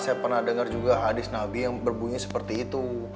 saya pernah dengar juga hadis nabi yang berbunyi seperti itu